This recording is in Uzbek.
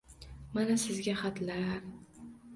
Mana sizga xatlar